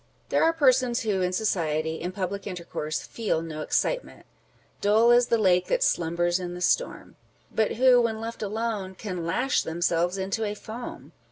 There are persons who in society, in public intercourse, feel no excitement, Dull as the lake that slumbers in the storm, but who, when left alone, can lash themselves into a foam.